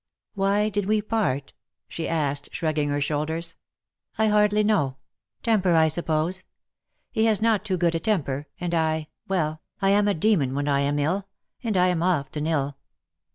'^Why did we part?'^ she asked, shrugging her shoulders. " I hardly know. Temper, I suppose. He has not too good a temper, and I — well, I am a demon when I am ill — and I am often ill.